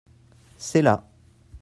c'est là.